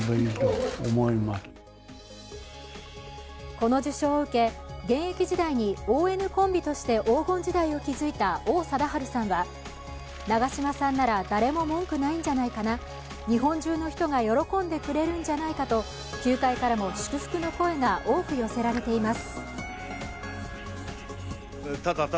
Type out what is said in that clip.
この受章を受け、現役時代にＯＮコンビとして黄金時代を築いた王貞治さんは長嶋さんなら誰も文句ないんじゃないかな、日本中の人が喜んでくれるんじゃないかと球界からも祝福の声が多く寄せられています。